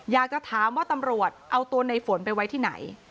อยากจะถามว่าตำรวจเอาตัวในฝนไปไว้ที่ไหน